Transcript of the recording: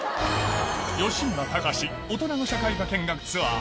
吉村崇大人の社会科見学ツアー